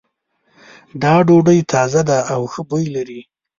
دا ډوډۍ تازه ده او ښه بوی لری